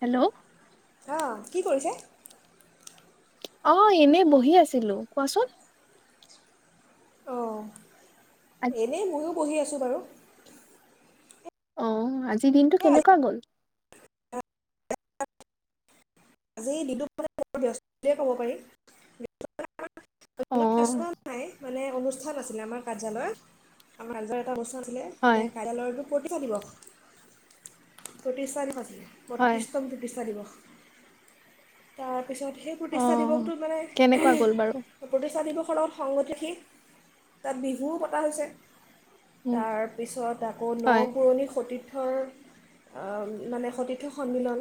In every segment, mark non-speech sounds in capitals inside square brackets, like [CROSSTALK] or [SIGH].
Hello. অঁ, কি কৰিছে? অ, এনে বহি আছিলো। কোৱাচোন? অঁ আ- এনেই ময়ো পঢ়ি আছোঁ বাৰু। আহ আজিৰ দিনটো এই আজি কেনেকুৱা গল। আজি দিনটো ব্যস্ত বুলিয়ে ক'ব পাৰি। অ নাই মানে অনু [INAUDIBLE] আছিলে আমাৰ কাৰ্যালয় আমাৰ এটা বস ছিলে হয় এনে কাইলৰ প্ৰতিভা দিিবস প্ৰতিশাৰখতি হয় বত্ৰিছতটমটো বিচাৰিব তাৰ তাৰপিছত সেই অ প্ৰতিষ্ঠা দিৱসটো মানে কেনেকুৱা গ'ল বাৰু প্ৰতিষ্ঠা দিৱসৰ লগত সংগতি তাত বিহুও পতা হৈছে উম তাৰপিছত আকৌ ন হয় পুৰণি সতীৰ্থ থ মানে সতীৰ্থ সন্মিলন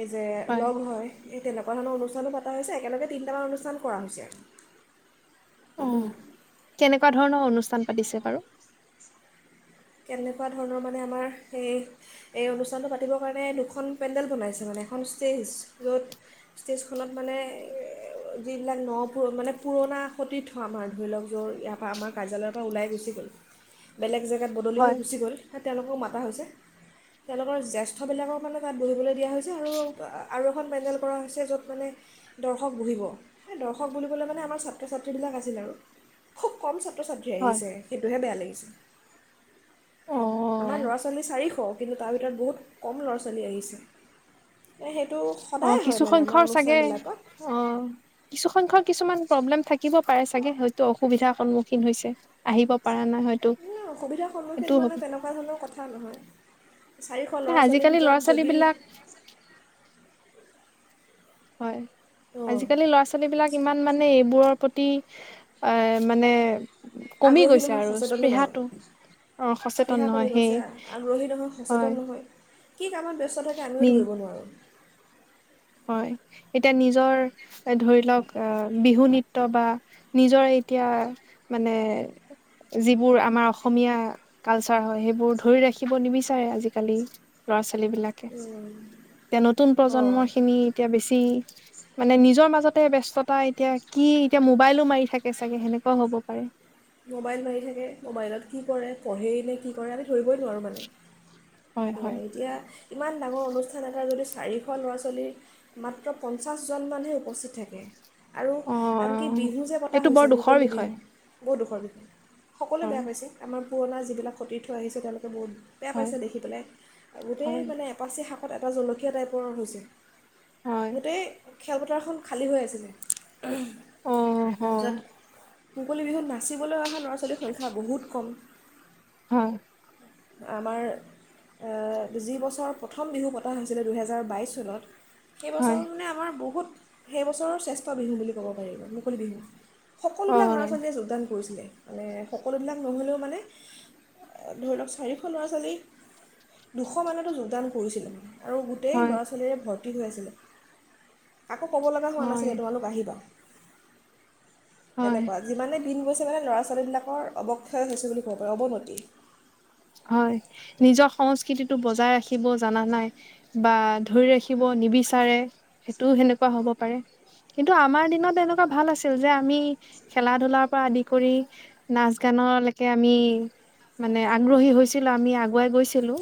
এই যে লগ হয় এই তেনেকুৱা ধৰণৰ অনুষ্ঠানো পতা হৈছে একেলগে তিনিটামান অনুষ্ঠান কৰা হৈছে অ কেনেকুৱা ধৰণৰ অনুষ্ঠান পাতিছে বাৰু কেনেকুৱা ধৰণৰ মানে আমাৰ এই এই অনুষ্ঠানটো পাতিবৰ কাৰণে দুখন পেণ্ডেল বনাইছে মানে এখন ষ্টেজ য'ত ষ্টেজখনত মানে যিবিলাক ন প মানে পুৰণা সতীৰ্থ আমাৰ ধৰি লওক য'ৰ ইয়াৰ পৰা আমাৰ কাৰ্যালয়ৰ পৰা ওলাই গুচি গ'ল বেলেগ জেগ জাত বদলি হয় গুি গল তেওঁলোকক মা োক জানে ত ব দ আৰু আৰু এখন পেডেল কৰা হৈছে য'ত মানে দৰ্শক বহিবেই দৰ্শক মান আ ছ্ৰ ছ্ৰীবিলাক আছিল আৰু খব ক পছাত ধৰি হয় আহিছে সেইটোহে বেয়া লাগিছে অ আমাৰ ল'ৰা ছোৱালী চাৰিশ কিন্তু তাৰ ভিতৰত বহুত কম ল'ৰা ছোৱালী আহিছে সেইটো অ সদায় হয় কিছু মানে আমাৰ সংখ্য্ক চাগে অনুষ্ঠানবিলাকত অ কিছু সংখ্য্ক কিছুমান প্ৰব্লেম থাকিব পাৰে চাগে হয়তো অসুবিধাৰ সন্মুখীন হৈছে আহিব পা নাই হয় অসুবিধাৰ সন্মুখীন মানে তেনেকুৱা ধৰণৰ কথা নহয় চাৰিশ ল'ৰা ছোৱালীৰ আজিকালি ভিতৰত ল'ৰা ছোৱালী যদি বিলাক হয় অঁ আজিকালি ল'ৰা ছোৱালী বিলাক ইমান মানে এইবোৰৰ প্ৰতি মানে কমি আগ্ৰহী গৈছে নহয় আৰু সচেতনো স্পৃহাটো নহয়, অ সচেতন স্প্ৰীহা নহয় কমি সেই গৈছে আগ্ৰহী নহয় হয় সচেতন নহয় কি কামত ব্যস্ত থাকে নি আমিও ধৰিব নোৱাৰোঁ। হয়, এতিয়া নিজৰ ধৰি লওঁক আ বিহু নৃত্য বা নিজৰ এতিয়া মানে যিবোৰ আমাৰ অসমীয়া কালচাৰ হয় সেইবোৰ ধৰি ৰাখিব নিবিচাৰে, আজিকালি ল'ৰা ছোৱাল বিলাকে, এতিয়া নতুন অঁ প্ৰজন্ম এতিয়া বেছি মানে নিজৰ মাজতে ব্যস্ততা এতিয়া কি এতিয়া মোবাইলো মাৰি থাকে চাগে সেনেকুৱাও হ'ব পাৰে। মোবাইল মাৰি থাকে, মোবাইলত কি কৰে পঢ়েই নে কি কৰে। ধৰিবই নোৱাৰোঁ মানে, হয় হয় সেয়াই এতিয়া ইমান ডাঙৰ অনুষ্ঠান এটা যদি চাৰিশ ল'ৰা ছোৱালীৰ মাত্ৰ পঞ্চাছজন মানহে উপস্থিত থাকে আৰু অ আনকি বিহু যে পতা এইটো হৈছে বৰ দুখৰ মুকলি বিষয় বিহু বহুত দুখৰ বিষয়। সকলোৱে হয় বেয়া পাইছে আমাৰ পুৰণা যিবিলাক সতীৰ্থ আহিছে তেওঁলোকে বহুত বেয়া হয় পাইছে দেখি পেলাই, গোটেই হয় মানে এপাচি শাক কত এটা জলকীয়া টাইপৰ হৈছে। হয় গোটেই খেলপথাৰখন খালী হৈ আছিলে। অ হয় তাৰপিছত মুকলি বিহুত নাই নাচিবলৈ অহা ল'ৰা ছোৱালীৰ সংখ্যা বহুত কম। হয়। আমাৰ এ যি বছৰ প্ৰথম বিহু পতা হৈছিলে দুহেজাৰ বাইছ চনত সেই হয় বছৰ মানে আমাৰ বহুত সেই বছৰৰ শ্ৰেষ্ঠ বিহু বুলি ক'ব পাৰিব মুকলি বিহু সকলো বিলাক ল'ৰা হয় ছোৱালীয়ে যোগদান কৰিছিলে। মানে সকলোবিলাক নহ'লেও মানে ধৰি অ লওক চাৰিশ ল'ৰা ছোৱালীৰ দুশমানতো যোগদান কৰিছিলে। আৰু গোটেই হয় ল'ৰা ছোৱালীৰে ভৰ ভৰ্তি হৈ আছিলে। কাকো ক'ব লগা হোৱা হয় নাছিলে তোমালোক আহিবা। হয় তেনেকুৱা, যিমানে দিন গৈছে [UNINTELLIGIBLE] মানে ল'ৰা ছোৱালীবিলাকৰ অৱক্ষয় হৈছে বুলি ক'ব পাৰি, অৱনতি। হয় নিজৰ সংস্কৃতিটো বজাই ৰাখিব জানা নাই বা ধৰি ৰাখিব নিবিচাৰে সেইটোও সেনেকুৱা হব পাৰে, কিন্তু আমাৰ দিনত এনেকুৱা ভাল আছিল যে আমি খেলা ধুলাৰ পৰা আদি কৰি নাচ গানলৈকে আমি মানে গ্ৰহী হৈছিলোঁ আমি আগুৱাই গৈছিলোঁ,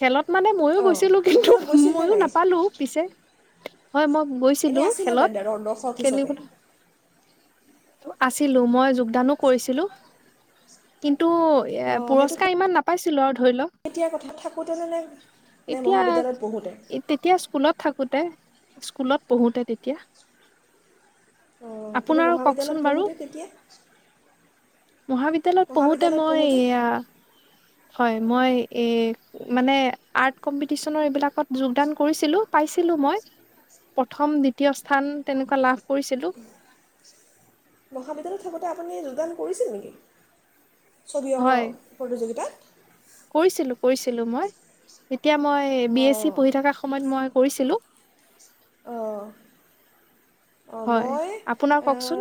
খেলত মানে মইও অঁ গৈছিলোঁ ছিলো কিন্তু আপোনালোক গৈছিল নে মইয়ো নাই নাপালো পিছে। হয় মই গৈছিলো, এনেই আছিলে খেলত নাই দৰ- দৰ্শক হিচাপে খেলিবলৈ আছিলো মই যোগদানো কৰিছিলো কিন্তু টো এ পুৰস্কাৰ ইমান নাপ পাইছিলো আৰু ধৰি লওক এতিয়া কথা থাকোঁতে যেনে নে এতিয়া মহাবিদ্যালয়ত পঢ়োঁতে তেতিয়া স্কুলত থাকোতে স্কুলত পঢ়োতে তেতিয়া অ কিন্তু আপোনাৰ কওকচোন মহাবিদ্যালয়ত বাৰু পঢ়োতে তেতিয়া মহাবিদ্যালয়ত পঢ়োতে মহাবিদ্যালয়ত মই পঢ়োঁতে এয়া হয় ম মানে আিি ম দ্বিতীয়ুৱ লাভ মহাবিদ্যালয়ত থাকোঁতে আপুনি যোগদান কৰিছে নেকি ছবিি অ হয় প্ৰতিযোগিতাত কৰিছিলো কৰিছিলো মই এতিয়া মই বি এছ চি অঁ পঢ়ি থকা সময়ত মই কৰিছিলোঁ অঁ অ হয় মই আপোনাৰ কওকচোন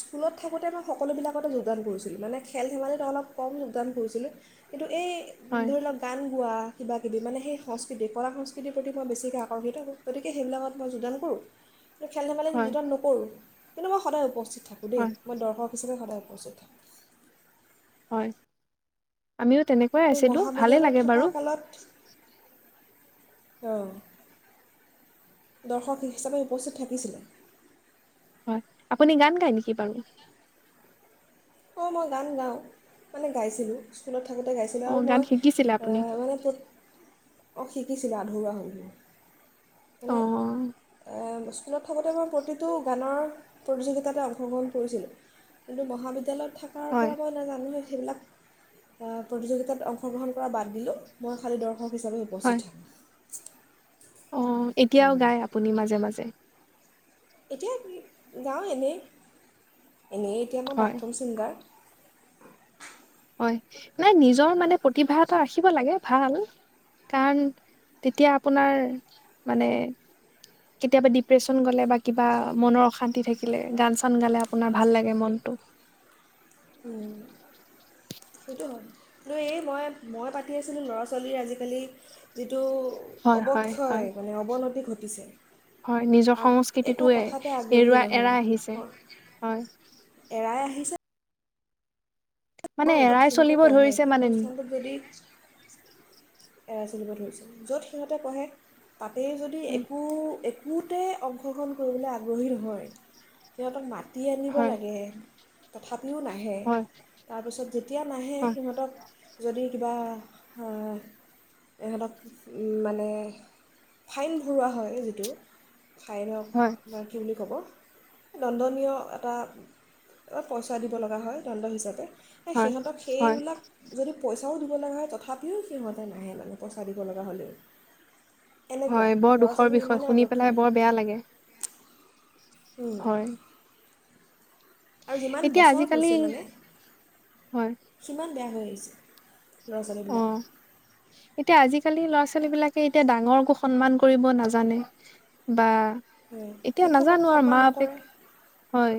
স্কুলত থাকোঁতে মই সকলোবিলাকতে যোগদান কৰিছিলোঁ মানে খেল ধেমালিত অলপ কম যোগদান কৰিছিলোঁ কিন্তু এই হয় ধৰি লওক গান গোৱা কিব কিবি মানে সেই সংস্কৃতি কলা সংস্কৃতিৰ প্ৰতি মই বেছিকৈ আকৰ্ষিত কৰোঁ গতিকে সেইবিলাকত মই যোগান কৰোঁ খেল ধেমালি নি হয় যোতন নকৰোঁ কিন্তু মই সদায় উপস্থিত থাকোঁ দ হয় মইৰ্শক হিচাপে সদায় অচতোক হয় আমিও তেনেকুৱাই মোৰ আছিলো ভালে মহাবিদ্যালয়ত লাগে থকা বাৰু কালত অঁ দৰ্শক হিচাপে উপস্থিত থাকিছিলে হয় আপুনি গান গায় নেকি বাৰু অঁ মই গান গাওঁ মানে গাইছিলোঁ স্কুলত থাকোঁতে গাইছিলোঁ অ আৰু গান মই শিকিছিলে আপুনি মানে শিক চিৰা ধুোৱাে অ মানে স্কুলত থাকোঁতে মই প্ৰতিটো গানৰ প্ৰতিযোগিতাতে অংশগ্ৰহণ কৰিছিল কিন্তু মহাবিদ্যালয় তেল থকাৰ হয় পৰা ক' ন জানোেই স প্ৰতিযোগ অংশগ্ৰহণ কৰা বাদ দোঁ ম শক হিচাপে উপস্থিত থাকে [INAUDIBLE] অঁ এতিয়াও গায় আপুনি মাজে মাজে এতিয়া যাঁও এনেই এনেই এতিয়া মই হয় বাথৰুম ছিংগাৰ হয় নাই নিজৰ মানে প্ৰতিভা এটা ৰাখিব লাগে ভাল কাৰণ তেতিয়া আপোনাৰ মানে কেতিয়াবা ডিপ্ৰেচন গলে বা কিবা মনৰ অশান্তি থাকিলে গান চান গালে আপোনাৰ ভাল লাগে মনটো সেইটো হয় কিন্তু এই মই মই পাতি আছিলোঁ ল'ৰা ছোৱালীৰ আজিকালি টো হয় হয় হয় অৱক্ষয় মানে অৱনতি ঘটে পিছে হয় নিজৰ সংস্কৃতিটোৱে আগ্ৰহী এৰুৱা এৰাই আহিছে নহয় হয় মানে মই এই এৰাই সিহঁতে চলিব পঢ়ে ধৰিছে সেই মানে অনুষ্ঠানটোত যদি এৰাই চলিব ধৰিছে য'ত সিহঁতে পঢ়ে তাকেই যদি একো এক বহুতে অংশগ্ৰহণ কৰিবলৈ আগ্ৰহী নহয় সিহঁতক মাত দি আনিব হয় লাগে তথাপি ও নাহে হয় তাৰপিছত যেতিয়া নাহে হয় সিহঁতক যদি বা ইহঁতক মানে ফাইন ভৰোৱা হয় যিটো ফাইনেল হয় কি বুলি কব আপোনাৰ কি বুলি ক'ব দণ্ডনীয় এটা পইচা দিব লগা হয় দণ্ড হিচাপে হয় সিহঁতক হয় সেইবিলাক যদি পইচা পইচাঁও দিব লগা হয় তথাপিও সিহঁতে নাহে মানে পইচাঁ দিব লগা হ'লেও এনেকুৱা হয় বৰ ল'ৰা দুখৰ ছোৱালীৰ বিষয় ইমানেই শুনি পেলাই বৰ বেয়া লাগে উম হয় আৰু যিমান এতিয়া বছৰ আজিকালি গৈছে মানে হয় সিমান বেয়া হৈ [INAUDIBLE] লৰা ছোৱালী অ বিলাক এতিয়া আজিকালি ল'ৰা ছোৱালী বিলাকে এতিয়া ডাঙৰকো সন্মান কৰিব নাজানে বা এতিয়া শিক্ষকক নাজানো আৰু সন্মান মা বাপেক নকৰে হয়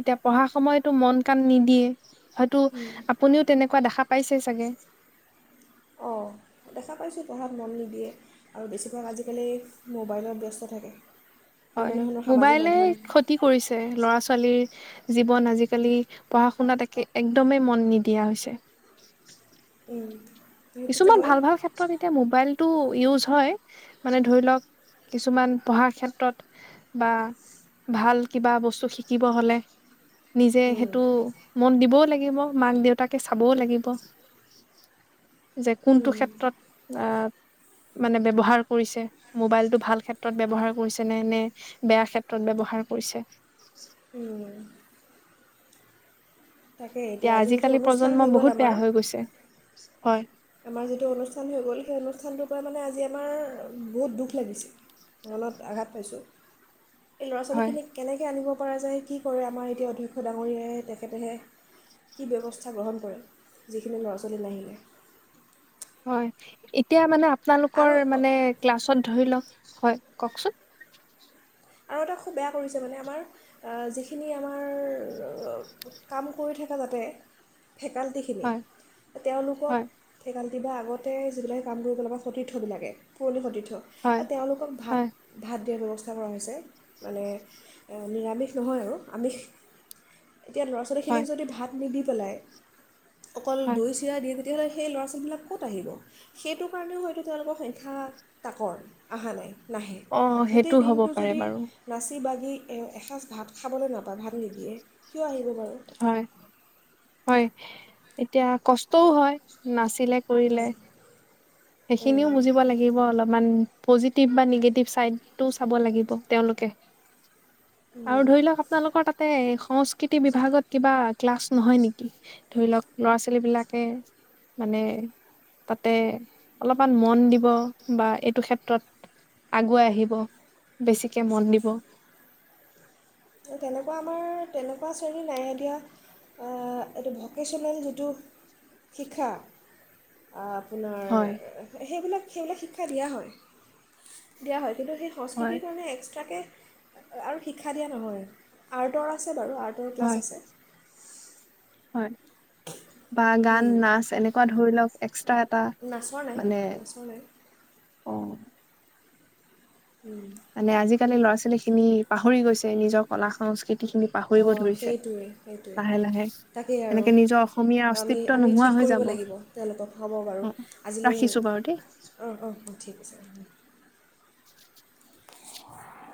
এতিয়া পঢ়া সময়তো মন কাণ নিদিয়ে হয়তো আপুনিও তেনেকুৱা দেখা পাইছে চাগে অঁ দেখা পাইছোঁ পঢ়াত মন নিদিয়ে আৰু বেছিভাগ আজিকালি মোবাইলত ব্যস্ত থাকে হয় বিভিন্ন ধৰণৰ সামাজিক মোবাইলে মাধ্যম ক্ষতি কৰিছে ল'ৰা ছোৱালীৰ জীৱন আজিকালি পঢ়া শুনাত একে একদমেই মন নিদিয়া হৈছে উম কিছুমান ভাল ভাল ক্ষেত্ৰত এতিয়া মোবাইলটো ইউজ হয় মানে ধৰি লওক কিছুমান পঢ়াৰ ক্ষেত্ৰত বা ভাল কিবা বস্তু শিকিব হ'লে নিজে সেইটো মন দিবও লাগে কিব মাক দেউত তাকে চাবও লাগিব যে কোনটো ক্ষেত্ৰত আহ মানে ব্যৱহাৰ কৰিছে মোবাইলটো ভাল ক্ষেত্ৰত ব্যৱহাৰ কৰিছে নে নে বেয়া ক্ষেত্ৰত ব্যৱহাৰ কৰিছে উম তাকে এতিয়া আজি যিটো আজিকালি অনুষ্ঠান প্ৰজন্ম হৈ গ'ল বহুত আমাৰ বেয়া হৈ গৈছে হয় আমাৰ যিটো অনুষ্ঠান হৈ গ'ল সেই অনুষ্ঠানটো মানে আজি আমাৰ বহুত দুখ লাগিছে মনত আঘাত পাইছোঁ এই ল'ৰা হয় ছোৱালীখিনিক কেনেকৈ আনিব কৰা যায় কি কৰে আমাৰ এতিয়া অধ্যক্ষ ডাঙৰীয় তেখেতেহে কি ব্যৱস্থা গ্ৰহণ কৰে যিখিনি ল'ৰা ছোৱালী নাহিলে হয় এতিয়া মানে আপোনালোকৰ আৰু মানে ক্লাছত ধৰি লওক হয় কওকচোন আৰু এটা খুব বেয়া কৰিছে মানে আমাৰ যিখিনি আমাৰ কাম কৰি থকা যাতে ফেকালিটিখিনি হয় তেওঁলোকক হয় ফেকাল কেতিয়া আগতে যিবিলাক সেই কাম কৰিব পেলাব পৰা সতীৰ্থবিলাকে পুৰণি সতীৰ্থ হয় তেওঁলোকক ভাত হয় ভাত দিয়াৰ ব্যৱস্থা [UNINTELLIGIBLE] মানে নিৰামিষ নহয় আৰু আমিষ এতিয়া ল'ৰা হয় ছোৱালীখিনিক যদি ভাত নিবি সেলায় অকল হয়। দৈ চিৰা দি তেতিয়' সেই ল'ৰা ছোৱালীবিলাক ক'ত আহিব সেইটো কাৰণেও হয়তো তেওঁলোকৰ সংখ্যা তাকৰ অহা নাই নাহে অ সেইটো গোটেই হ'ব দিনটো পাৰে যদি বাৰু নাছে বাগি এসাজ ভাত খাবলৈ নাপাই ভাত নিদিয়ে কিয় আহিব বাৰু হয় হয় এতিয়া কষ্টও হয় নাচ শিকিলে কৰিলে সেইখিনিও বুজিব লাগিব অলপমান। পজিটিভ বা নিগেটিভ চাইডটো চাব লাগিব তেওঁলোকে। আৰু ধৰি লওক আপোনালোকৰ তাতে। সংস্কৃতি বিভাগ। ভাগত কিবা ক্লাছ নহয় নেকি ধৰি লওক ল'ৰা ছোৱালীবিলাকে মানে তাতে অলপমান মন দিব বা এইটো ক্ষেত্ৰত আগুৱাই আহিব বেছিকে মন দিব। তেনেকুৱা আমাৰ তেনেকুৱা শ্ৰেণীৰ নাই এতিয়া এইটো ভকেচনেল যিটো শিক্ষা আ। আপোনাৰ হয় সেইবিলাক। সেইবিলাক শিক্ষা দিয়া হয় দিয়া হয়। কিন্তু সেই হয় সংস্কৃতিৰ কাৰণে এক্সট্ৰাকে আৰু শিক্ষা দিয়া নহয় আৰ্টৰ আছ আছে বাৰু আৰ্টৰ ক্লাছ হয় আছে। হয় বা গান নাচ এনেকুৱা ধৰি লওঁক এক্সট্ৰা এটা নাচৰ নাই মানে, নাচৰ নাই অ' মানে আজিকালি ল'ৰা ছোৱা লে খিনি পাহৰি গৈছে নিজৰ কলা-সংস্কৃতি অ', সেইটোৱেই সেইটোৱেই, লাহে লাহে তাকেই আৰু, এনেকে নিজৰ অসমীয়া আমি অস্তিত্ব আমি নোহোৱা ঠিক হৈ কৰিব যাব অ লাগিব তেওঁলোকক হ'ব বাৰু আজিলৈ ৰাখিছো বাৰু দেই অ', অ', ঠিক আছে। [INAUDIBLE] [INAUDIBLE]